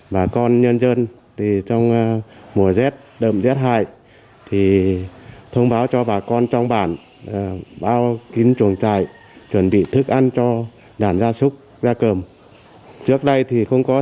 và con nhân dân rất đớn